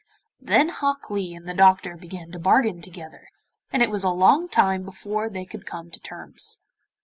Then Hok Lee and the doctor began to bargain together, and it was a long time before they could come to terms.